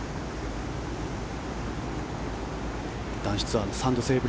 男子ツアーのサンドセーブ率